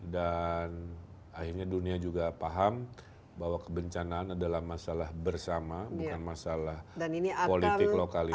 akhirnya dunia juga paham bahwa kebencanaan adalah masalah bersama bukan masalah politik lokalisasi